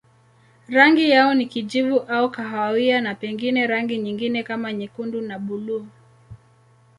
Rangi yao ni kijivu au kahawia na pengine rangi nyingine kama nyekundu na buluu.